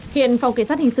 hiện phòng khám